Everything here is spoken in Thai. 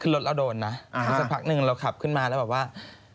รถเราโดนนะสักพักหนึ่งเราขับขึ้นมาแล้วแบบว่า